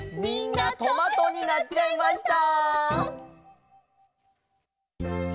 みんなトマトになっちゃいました！